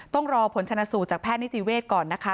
ต้องรอผลชนะสูตรจากแพทย์นิติเวศก่อนนะคะ